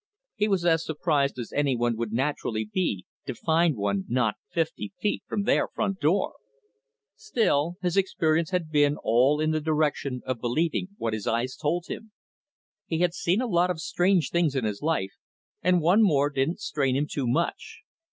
He was as surprised as any one would naturally be to find one not fifty feet from their front door. Still, his experience had been all in the direction of believing what his eyes told him. He had seen a lot of strange things in his life, and one more didn't strain him too much.